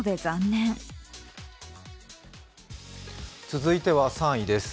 続いては３位です。